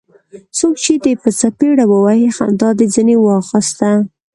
څوک چي دي په څپېړه ووهي؛ خندا دي ځني واخسته.